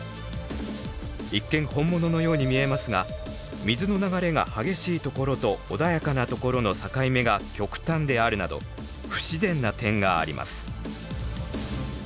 一見本物のように見えますが水の流れが激しいところと穏やかなところの境目が極端であるなど不自然な点があります。